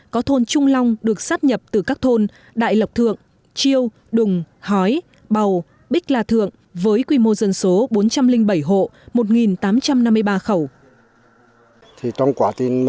có thôn trung long được sắp nhập từ các thôn đại lộc thượng chiêu đùng hói bầu bích là thượng với quy mô dân số bốn trăm linh bảy hộ một tám trăm năm mươi ba khẩu